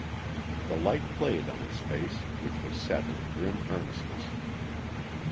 The light played on his face which was set in grim earnestness.